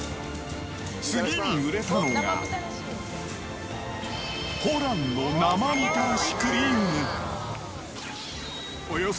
次に売れたのが、ホランの生みたらしクリーム。